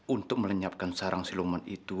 untuk melenyapkan sarang si luman itu